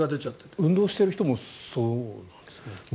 運動している人もそうなんですね。